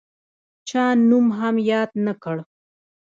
چا نوم هم یاد نه کړ.